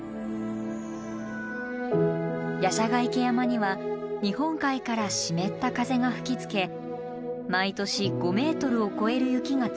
夜叉ヶ池山には日本海から湿った風が吹きつけ毎年５ｍを超える雪が積もります。